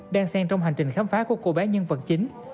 đang sen trong hành trình khám phá của cô bé nhân vật chính